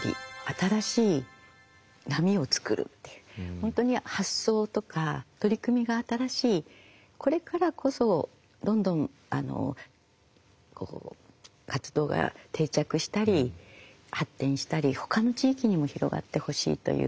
本当に発想とか取り組みが新しいこれからこそどんどん活動が定着したり発展したりほかの地域にも広がってほしいという。